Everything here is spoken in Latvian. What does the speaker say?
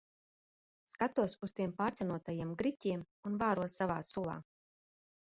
Skatos uz tiem pārcenotajiem griķiem un vāros savā sulā.